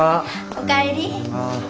おかえり。